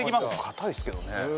硬いですけどね。